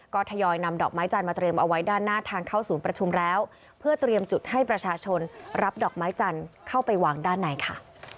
ก็ทยอยนำดอกไม้จันทร์มาเตรียมเอาไว้ด้านหน้าทางเข้าศูนย์ประชุมแล้วเพื่อเตรียมจุดให้ประชาชนรับดอกไม้จันทร์เข้าไปวางด้านในค่ะ